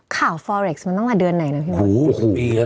ข่าวฟอร์เร็กซ์มันต้องมาเดือนไหนเนี่ยพี่มศปีแล้วน้อง